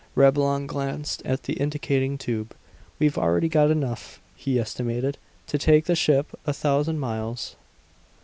Reblong glanced at the indicating tube. "We've already got enough," he estimated, "to take the ship a thousand miles."